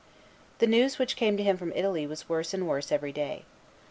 The news which came to him from Italy was worse and worse every day.